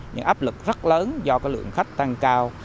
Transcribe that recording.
những áp lực rất lớn do cái lượng khách tăng cao